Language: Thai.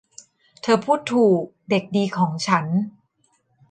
เธอพูดถูก เด็กดีของฉัน